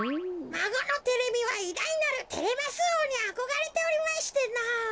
まごのテレミはいだいなるテレマスおうにあこがれておりましてのぉ。